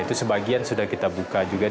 itu sebagian sudah kita buka juga